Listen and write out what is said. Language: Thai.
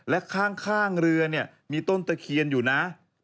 และข้างเรือเนี่ยมีต้นตะเคียนอยู่นะ